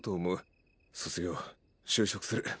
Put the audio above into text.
卒業就職する。